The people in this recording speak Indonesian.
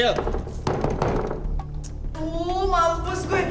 aduh mampus gue